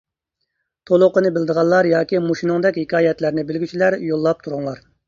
تولۇقىنى بىلىدىغانلار ياكى مۇشۇنىڭدەك ھېكايەتلەرنى بىلگۈچىلەر يوللاپ تۇرۇڭلار.